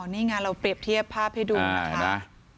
อ๋อนี่งานเราเปรียบเทียบภาพให้ดูนะครับ